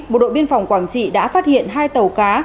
bộ đội biên phòng quảng trị đã phát hiện hai tàu cá